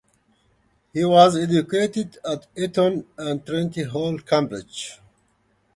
He was educated at Eton and Trinity Hall, Cambridge.